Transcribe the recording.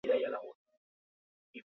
Iazko azaroa aldera hasi nintzen.